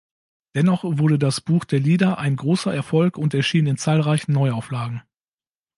Dennoch wurde das Buch der Lieder ein großer Erfolg und erschien in zahlreichen Neuauflagen.